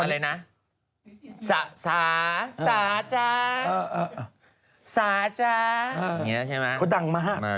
เขาดังมาก